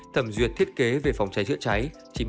thẩm duyệt thiết kế về phòng cháy chữa cháy